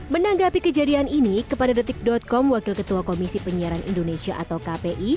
menanggapi kejadian ini kepada detik com wakil ketua komisi penyiaran indonesia atau kpi